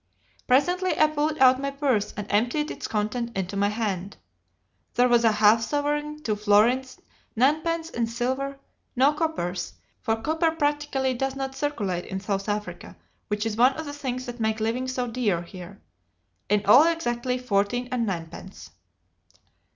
Presently I pulled out my purse and emptied its contents into my hand. There was a half sovereign, two florins, ninepence in silver, no coppers for copper practically does not circulate in South Africa, which is one of the things that make living so dear there in all exactly fourteen and ninepence.